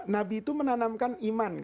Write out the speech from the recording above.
nabi itu menanamkan iman